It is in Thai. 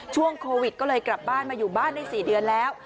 ช่วงโควิดก็เลยกลับบ้านมาอยู่บ้านได้๔เดือนแล้ว